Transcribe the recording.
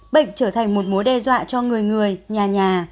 bệnh trở thành một mối đe dọa cho người người nhà nhà